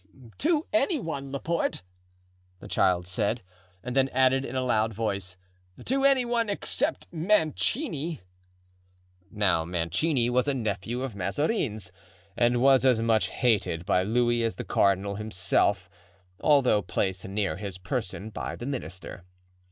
"To any one, Laporte," the child said; and then added in a loud voice, "to any one except Mancini." Now Mancini was a nephew of Mazarin's and was as much hated by Louis as the cardinal himself, although placed near his person by the minister.